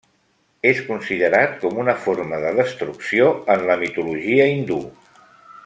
És considerat com una forma de destrucció en la mitologia hindú.